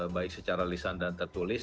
baik secara lisan dan tertulis